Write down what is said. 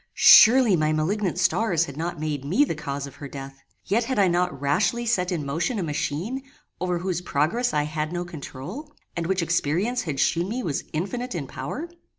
Surely my malignant stars had not made me the cause of her death; yet had I not rashly set in motion a machine, over whose progress I had no controul, and which experience had shewn me was infinite in power?